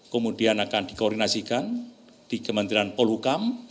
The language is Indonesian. kemudian akan dikoordinasikan di kementerian polhukam